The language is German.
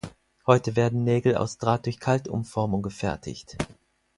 Heute werden Nägel aus Draht durch Kaltumformung gefertigt.